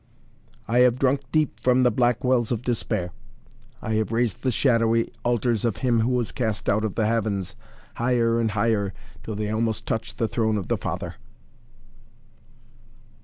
"I have drunk deep from the black wells of despair. I have raised the shadowy altars of him who was cast out of the heavens, higher and higher, till they almost touch the throne of the Father."